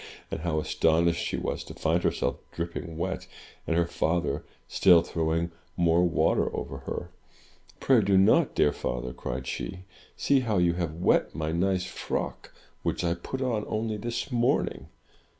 — and how astonished she was to find herself dripping wet, and her father still throw ing more water over her. "Pray do not, dear father," cried she. "See how you have wet my nice frock, which I put on only this morning!